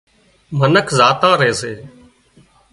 منک زاتان ري سي